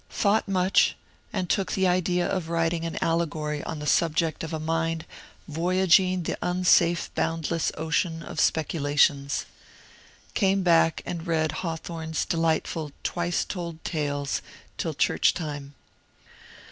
Thought much, and took the idea of writing an Allegory on the subject of a mind voyagine the unsafe bound less ocean of speculations. Came back and read Hawthorne's delightful " Twice told Tales " till church time.